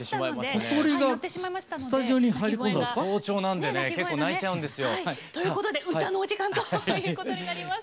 早朝なんでね結構鳴いちゃうんですよ。ということで歌のお時間ということになります。